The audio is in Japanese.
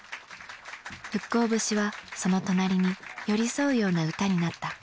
「復興節」はその隣に寄り添うような歌になった。